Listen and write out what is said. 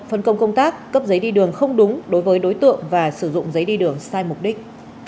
phân công công tác cấp giấy đi đường không đúng đối với đối tượng và sử dụng giấy đi đường sai mục đích